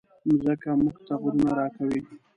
مځکه موږ ته غرونه راکوي.